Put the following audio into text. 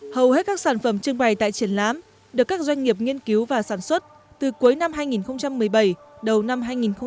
hầu hết các sản phẩm trưng bày tại triển lãm được các doanh nghiệp nghiên cứu và sản xuất từ cuối năm hai nghìn một mươi bảy đầu năm hai nghìn một mươi tám